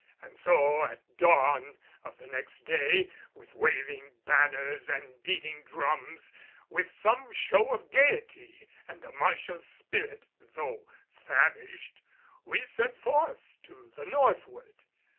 And so at dawn of the next day with waving banners and beating drums, with some show of gaiety and a martial spirit though famished we set forth to the northward.